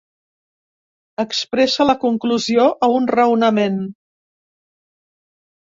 Expressa la conclusió a un raonament.